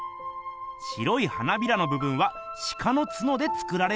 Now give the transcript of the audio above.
白い花びらのぶぶんはシカの角で作られています。